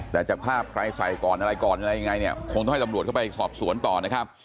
แต่จากภาพใครใส่ก่อนอะไรก่อนอะไรยังไงเนี่ยคงต้องให้ตำรวจเข้าไปสอบสวนต่อนะครับ